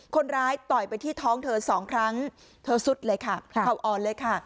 ต่อยไปที่ท้องเธอสองครั้งเธอสุดเลยค่ะเข่าอ่อนเลยค่ะ